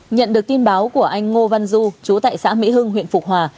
nhận được tin báo của anh ngô văn du chú tại xã mỹ hưng huyện phục hòa